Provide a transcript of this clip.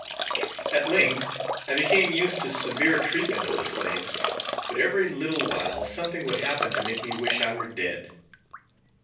At length, I became used to severe treatment of the slaves; but, every little while something would happen to make me wish I were dead.